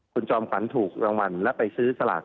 คุณจอมขวัญถูกรางวัลและไปซื้อสลาก